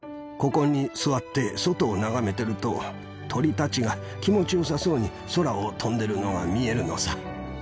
ここに座って外を眺めてると、鳥たちが気持ちよさそうに空を飛んでるのが見えるのさ。